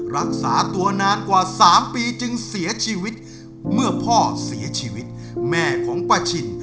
รักษาตัวนานกว่า๓ปีจึงเสียชีวิตเมื่อพ่อเสียชีวิตแม่ของป้าชิน